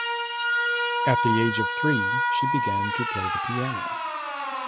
At the age of three she began to play the piano.